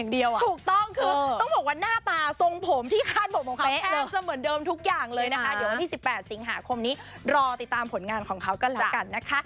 เดี๋ยววันที่๑๘สิงหาคมนี้รอติดตามผลงานของเขากันแล้วกันนะคะ